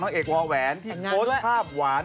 น้องเอกวาแหวนที่โฟสภาพหวาน